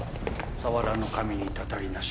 触らぬ神にたたりなし。